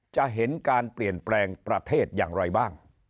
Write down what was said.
จะเห็นการเปลี่ยนแปลงประเทศอย่างไรบ้าง